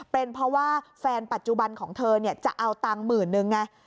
เป็นเพราะว่าแฟนปัจจุบันของเธอจะเอาตังค์หมื่นนึงไง